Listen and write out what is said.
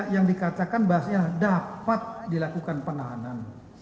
yang dikatakan bahwa dapat dilakukan penahanan